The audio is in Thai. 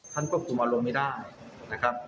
ควบคุมอารมณ์ไม่ได้นะครับ